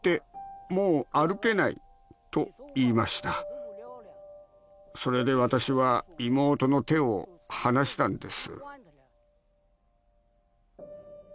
「もう歩けない」と言いましたそれで私は妹の手を離したんです